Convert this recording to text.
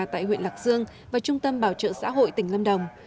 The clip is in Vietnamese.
tại huyện lạc dương và trung tâm bảo trợ xã hội tỉnh lâm đồng